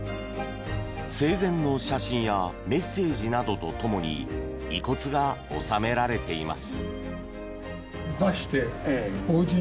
生前の写真やメッセージなどとともに遺骨が納められています。